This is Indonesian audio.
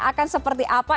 akan seperti apa